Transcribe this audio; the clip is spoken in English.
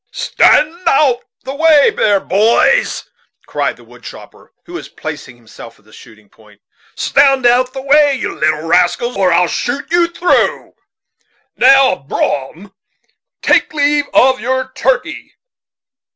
"Stand out of the way there, boys!" cried the wood chopper, who was placing himself at the shooting point stand out of the way, you little rascals, or I will shoot through you. Now, Brom, take leave of your turkey.